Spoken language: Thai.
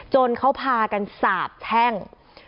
จนเขาพากันสาบแช่ง